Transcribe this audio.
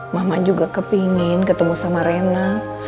mama juga kepingin ketemu sama rena